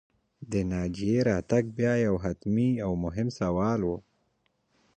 د ناجيې راتګ بیا یو حتمي او مهم سوال و